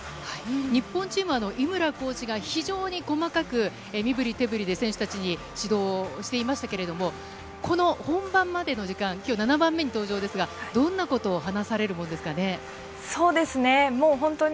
日本チームは井村コーチが非常に細かく身ぶり手ぶりで選手たちに指導をしていましたけれど、本番までの時間、７番目に登場ですが、どんなことを話されるものですか？